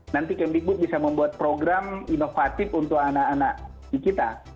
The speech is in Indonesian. nanti kemdikbud bisa membuat program inovatif untuk anak anak di kita